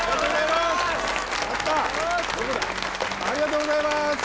ありがとうございます。